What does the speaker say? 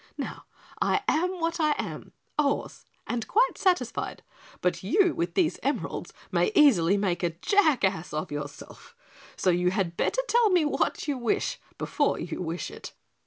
Now I am what I am a horse, and quite satisfied, but you with these emeralds may easily make a jackass of yourself, so you had better tell me what you wish before you wish it.